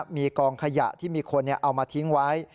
มีกองขยะที่มีคนเนี่ยมีเอามาทิ้งไว้